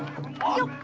よっ！